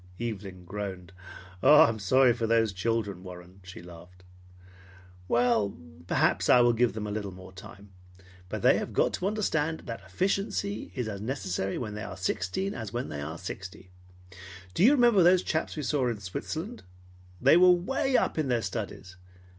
Evelyn groaned. "I'm sorry for those children, Warren," she laughed. "Well, perhaps I will give them a little more time, but they have got to understand that efficiency is as necessary when they are sixteen as when they are sixty. Do you remember those chaps we saw in Switzerland? They were way up in their studies.